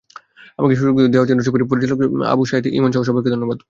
আমাকে সুযোগটুকু দেওয়ার জন্য ছবির পরিচালক আবু শাহেদ ইমনসহ সবাইকে অনেক ধন্যবাদ।